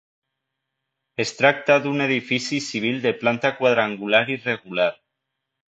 Es tracta d'un edifici civil de planta quadrangular irregular.